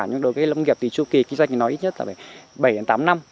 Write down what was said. nhưng đối với cây lâm nghiệp thì chu kỳ kinh doanh của nó ít nhất là bảy tám năm